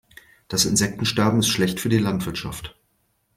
Das Insektensterben ist schlecht für die Landwirtschaft.